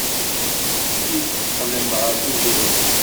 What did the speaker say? I teqqlem ɣer Tubiret?